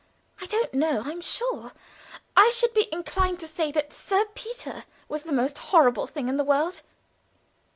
I don't know, I'm sure. I should be inclined to say that Sir Peter was the most horrible thing in the world.